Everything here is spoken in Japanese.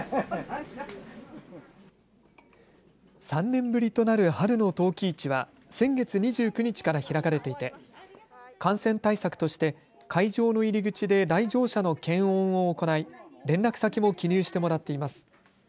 ３年ぶりとなる春の陶器市は先月２９日から開かれていて感染対策として会場の入り口で来場者の検温を行い連絡先も記入してもらっています。